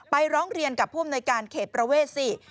ร้องเรียนกับผู้อำนวยการเขตประเวทสิ